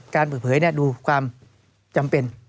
การเปิดเผยดูความจำเป็น